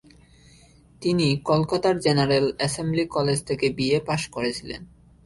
তিনি কলকাতার general assembly college থেকে বি.এ পাশ করেছিলেন।